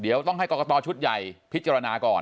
เดี๋ยวต้องให้กรกตชุดใหญ่พิจารณาก่อน